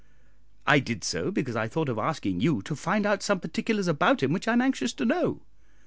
I did so, because I thought of asking you to find out some particulars about him which I am anxious to know.